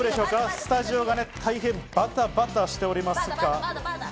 スタジオが大変バタバタしております。